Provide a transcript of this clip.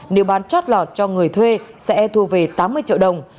nếu bán chót lọt cho người thuê sẽ thu về tám mươi triệu đồng